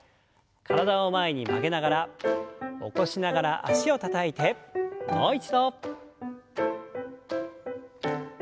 体を前に曲げながら起こしながら脚をたたいてもう一度。